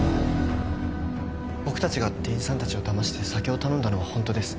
僕たちが店員さんたちをだまして酒を頼んだのは本当です。